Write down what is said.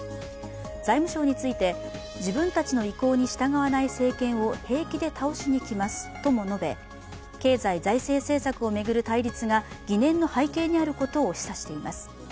財務省について、自分たちの意向に従わない政権を平気で倒しにきますとも述べ、経済財政政策を巡る対立が疑念の背景にあることを示唆しています。